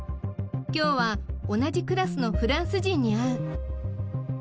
今日は同じクラスのフランス人に会う。